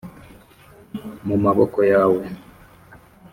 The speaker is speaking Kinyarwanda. mu maboko yawe,